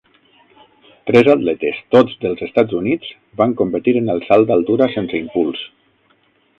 Tres atletes, tots dels Estats Units, van competir en el salt d'altura sense impuls.